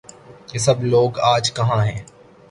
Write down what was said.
یہ سب لوگ آج کہاں ہیں؟